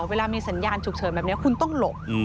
เวลามีสัญญาณฉุกเฉินแบบนี้คุณต้องหลบ